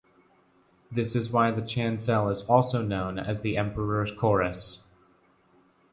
This is why the chancel is also known as the Emperor's Chorus.